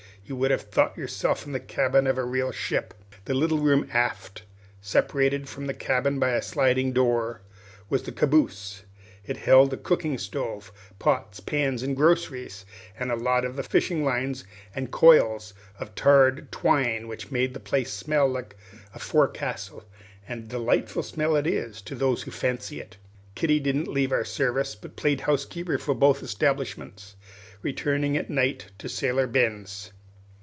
You would have thought yourself in the cabin of a real ship. The little room aft, separated from the cabin by a sliding door, was the caboose. It held a cooking stove, pots, pans, and groceries; also a lot of fishing lines and coils of tarred twine, which made the place smell like a forecastle, and a delightful smell it is to those who fancy it. Kitty didn't leave our service, but played housekeeper for both establishments, returning at night to Sailor Ben's.